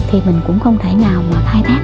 thì mình cũng không thể nào mà thai thác